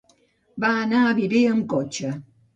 Va anar a Viver amb cotxe.